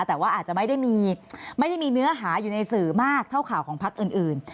แต่ว่าอาจจะไม่ได้มีเนื้อหาอยู่ในสื่อมากเท่าข่าวของพักอื่น